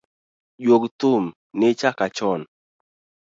Juog thum ni chaka chon.